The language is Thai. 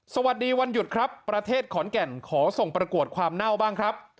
สวัสดีวันหยุดครับประเทศขอนแก่นขอส่งประกวดความเน่าบ้างครับ